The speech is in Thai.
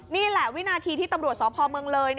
นี่แหละวินาทีที่ตำรวจสพเมืองเลย